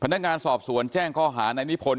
นักงานสอบสวนแจ้งข้อหานายนิพนธ